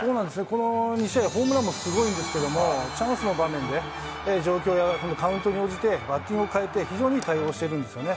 この２試合、ホームランもすごいんですけども、チャンスの場面で、状況やカウントに応じて、バッティングを変えて、非常にいい対応をしてるんですよね。